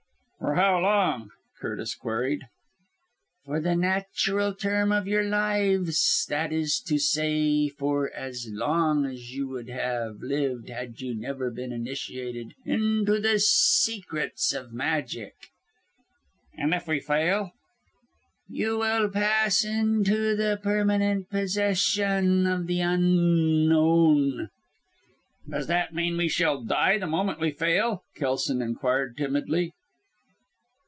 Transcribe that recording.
"For how long?" Curtis queried. "For the natural term of your lives that is to say, for as long as you would have lived had you never been initiated into the secrets of magic." "And if we fail?" "You will pass into the permanent possession of the Unknown." "Does that mean we shall die the moment we fail?" Kelson inquired timidly.